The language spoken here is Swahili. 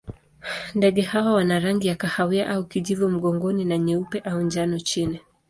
Ndege hawa wana rangi ya kahawa au kijivu mgongoni na nyeupe au njano chini.